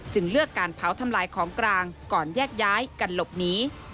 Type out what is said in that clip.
เลือกการเผาทำลายของกลางก่อนแยกย้ายกันหลบหนี